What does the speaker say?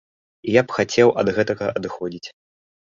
І я б хацеў ад гэтага адыходзіць.